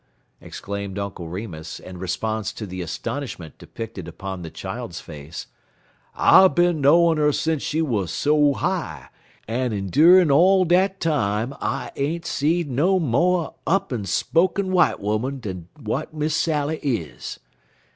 exclaimed Uncle Remus, in response to the astonishment depicted upon the child's face. "I bin knowin' 'er sence she wuz so high, en endurin' er all dat time I ain't seed no mo' up'n spoken' w'ite 'oman dan w'at Miss Sally is.